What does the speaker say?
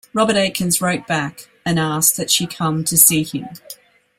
Robert Atkins wrote back and asked that she come to see him.